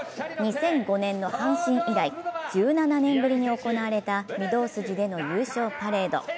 ２００５年の阪神以来、１７年ぶりに行われた御堂筋での優勝パレード。